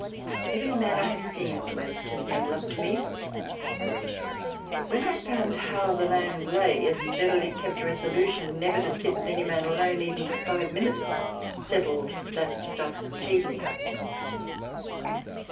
Every man I have seen almost has made Love to me, but when I found how the land lay, a steadily kept Resolution never to sit with any man alone even for five minutes, settled that Stuff completely.